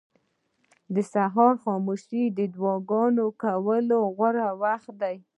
• د سهار خاموشي د دعا کولو غوره وخت دی.